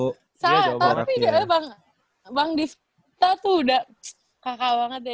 tapi bang bang divta tuh udah kakak banget ya